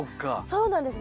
そうなんです。